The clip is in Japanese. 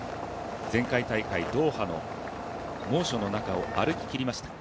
前回大会ドーハの猛暑の中を歩ききりました。